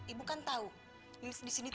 ibu kan tahu lihs disini tuh keras banget ibu